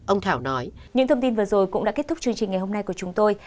ông thảo nói những thông tin vừa rồi cũng đã kết thúc chương trình ngày hôm nay của chúng tôi